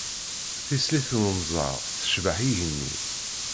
Tislit n unẓar tcebbeḥ igenni.